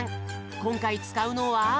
こんかいつかうのは。